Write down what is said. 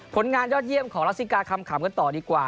ผลงานยอดเยี่ยมของรัสซิกาคำขำกันต่อดีกว่า